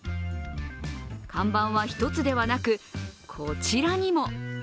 看板は１つではなくこちらにも。